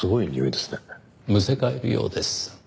むせ返るようです。